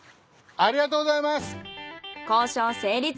ありがとうございます！